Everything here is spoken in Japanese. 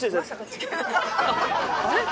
あれ？